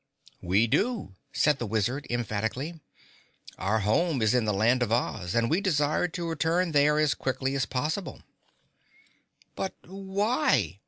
"We do," said the Wizard emphatically. "Our home is in the Land of Oz, and we desire to return there as quickly as possible." "But why?"